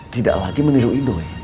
tidak lagi meniru idoi